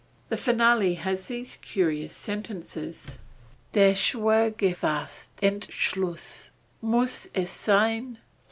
The finale has these curious sentences: "Der schwergefasste Entschluss. Muss es sein?